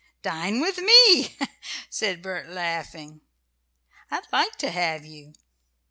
"Dine with me," said Bert, laughing. "I'd like to have you."